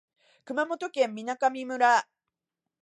熊本県水上村